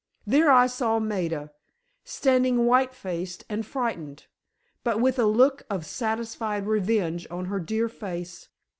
There I saw Maida, standing white faced and frightened, but with a look of satisfied revenge on her dear face.